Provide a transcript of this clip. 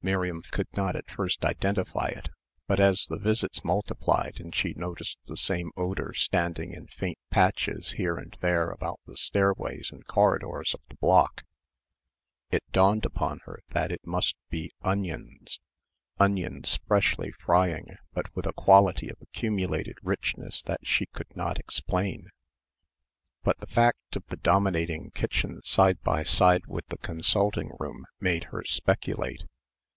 Miriam could not at first identify it. But as the visits multiplied and she noticed the same odour standing in faint patches here and there about the stairways and corridors of the block, it dawned upon her that it must be onions onions freshly frying but with a quality of accumulated richness that she could not explain. But the fact of the dominating kitchen side by side with the consulting room made her speculate.